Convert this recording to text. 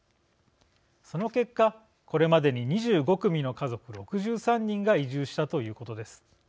その結果これまでに２５組の家族６３人が移住したということです。